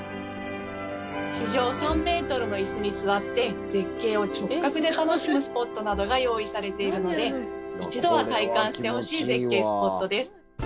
地上３ｍの椅子に座って絶景を直角で楽しむスポットなどが用意されているので一度は体感してほしい絶景スポットです。